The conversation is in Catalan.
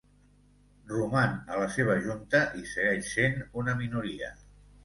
Roman a la seva junta i segueix sent una minoria.